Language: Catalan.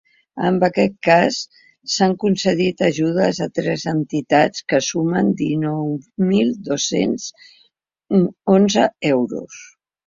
En aquest cas, s’han concedit ajudes a tres entitats que sumen dinou mil dos-cents onze euros.